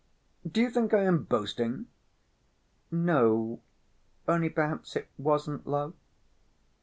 Do you think I am boasting?" "No, only perhaps it wasn't love."